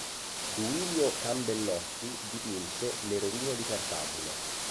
Duilio Cambellotti dipinse "Le rovine di Cartagine".